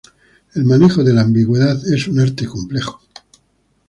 El manejo de la ambigüedad es un arte complejo.